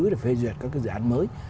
để phê duyệt các cái dự án mới